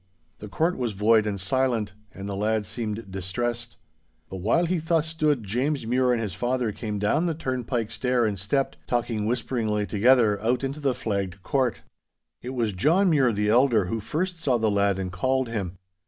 The court was void and silent, and the lad seemed distressed. But while he thus stood James Mure and his father came down the turnpike stair and stepped, talking whisperingly together, out into the flagged court. 'It was John Mure the elder who first saw the lad and called him.